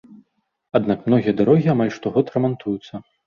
Аднак многія дарогі амаль штогод рамантуюцца.